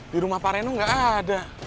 di rumah pak reno nggak ada